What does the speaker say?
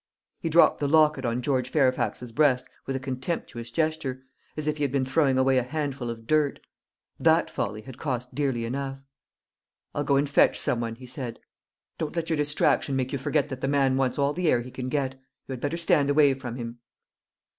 He dropped the locket on George Fairfax's breast with a contemptuous gesture, as if he had been throwing away a handful of dirt. That folly had cost dearly enough. "I'll go and fetch some one," he said. "Don't let your distraction make you forget that the man wants all the air he can get. You had better stand away from him."